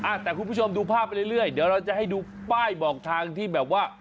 อ่ะแต่คุณผู้ชมดูภาพไปเรื่อยเดี๋ยวเราจะให้ดูป้ายบอกทางที่แบบว่า